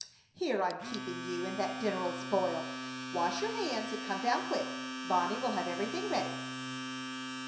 "Here I'm keeping you, and that dinner'll spoil! Wash your hands and come down quick! Bonnie will have everything ready!"